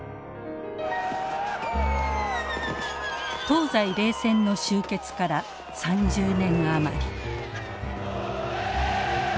東西冷戦の終結から３０年余り。